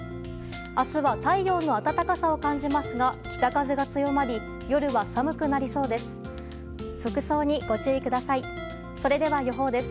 明日は太陽の暖かさを感じますが北風が強まり夜は寒くなりそうです。